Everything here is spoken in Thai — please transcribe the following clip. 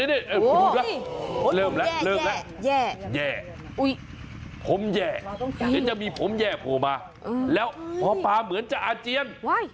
อุ้ยผมแย่แย่แย่แย่ผมแย่จะมีผมแย่โผล่มาแล้วพอปลาเหมือนจะอาเจียน